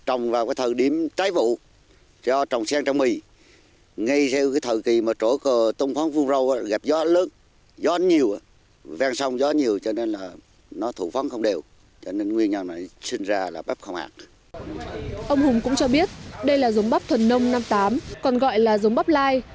ông hùng cũng cho biết đây là dòng bắp thuần nông năm tám còn gọi là dòng bắp lai